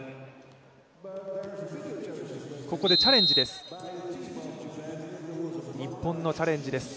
ここでチャレンジです。